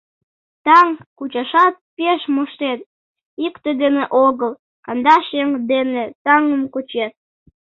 Таҥ кучашат пеш моштет: икте дене огыл, кандаш еҥ дене таҥым кучет...